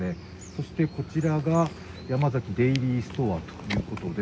そしてこちらがヤマザキデイリーストアということです。